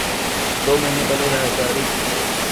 دو مہینے پہلے راہداری میں